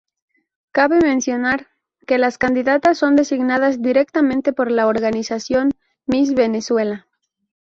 Cabe mencionar, que las candidatas son designadas directamente por la Organización Miss Venezuela.